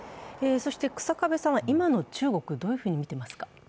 日下部さんは今の中国、どういうふうに見てますか？